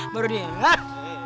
baru dia hah